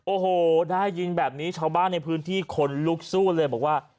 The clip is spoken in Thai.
โอ้โหได้ยินแบบนี้ชาวบ้านในพื้นที่ขนลุกสู้เลยบอกว่า